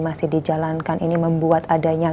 masih dijalankan ini membuat adanya